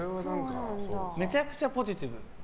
めちゃくちゃポジティブ。